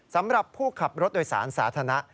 สำหรับผู้ขับรถโดยสารสาธารณะ